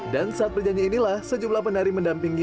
dan saat berjanya inilah sejumlah penari mendampingi